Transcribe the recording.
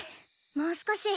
もう少し。